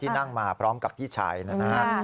ที่นั่งมาพร้อมกับพี่ชายนะฮะ